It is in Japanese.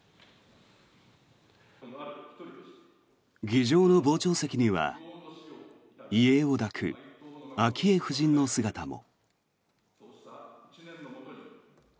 議場の傍聴席には遺影を抱く昭恵夫人の姿も。